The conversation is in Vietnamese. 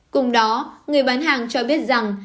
cùng đó người bán hàng cho biết rằng